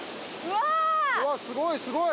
わっすごいすごい！